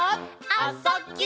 「あ・そ・ぎゅ」